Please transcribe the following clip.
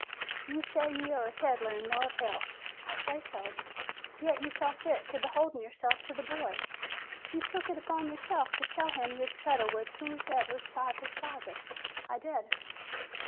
"You say ye are a peddler an' naught else?" "I say so." "Yet, you saw fit to beholden yourself to the boy? You took it upon yourself to tell him you'd settle with whosoever shot his father?" "I did."